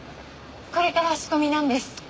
これから仕込みなんです。